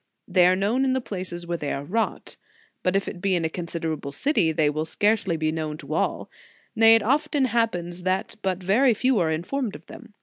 They are known in the places where they are wrought, but if it be in a considerable city, they will scarcely be known to all; nay, it often happens that but very few are informed of them.